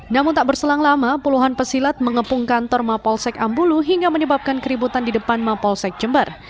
namun tak berselang lama puluhan pesilat mengepung kantor mapolsek ambulu hingga menyebabkan keributan di depan mapolsek jember